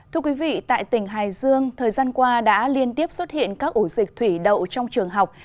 thưa quý vị tại tỉnh hải dương thời gian qua đã liên tiếp xuất hiện các ổ dịch thủy đậu trong trường học